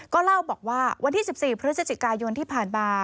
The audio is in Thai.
ก็เล่าบอกว่าวันที่๑๔พฤศจิกายนที่ผ่านมา